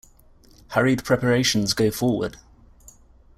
Hurried preparations go forward.